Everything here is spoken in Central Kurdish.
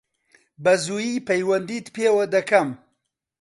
بەزوویی پەیوەندیت پێوە دەکەم.